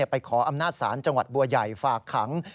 ไปขออำนาจศาลจังหวัดบัวใหญ่ฝากขัง